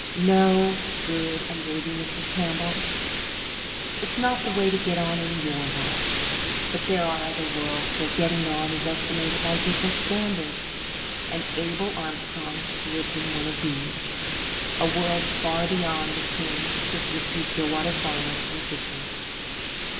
No, good and worthy Mrs. Campbell. It was not the way to get on in your world; but there are other worlds where getting on is estimated by different standards, and Abel Armstrong lived in one of these a world far beyond the ken of the thrifty Stillwater farmers and fishers.